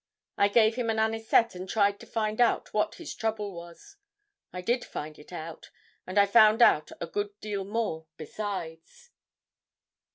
I gave him an anisette and tried to find out what his trouble was. I did find it out, and I found out a good deal more besides.